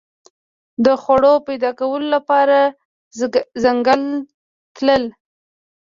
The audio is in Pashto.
د خوړو پیدا کولو لپاره ځنګل تلل.